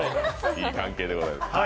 いい関係でございます